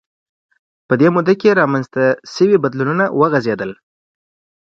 په دې موده کې رامنځته شوي بدلونونه وغځېدل